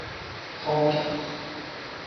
Trente-quatre.